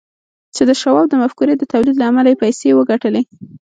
چې د شواب د مفکورې د توليد له امله يې پيسې وګټلې.